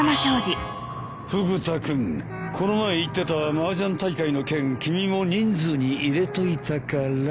フグ田君この前言ってたマージャン大会の件君も人数に入れといたから。